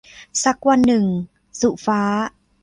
สักวันหนึ่ง - สุฟ้า